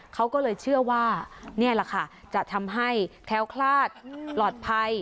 เขาก็เลยเชื่อว่านี่แหละค่ะจะทำให้แค้วคลาดปลอดภัย